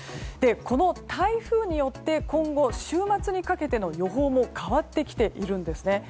この台風によって今後、週末にかけての予報も変わってきているんです。